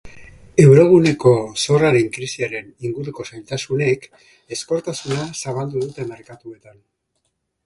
Euroguneko zorraren krisiaren inguruko zailtasunek ezkortasuna zabaldu dute merkatuetan.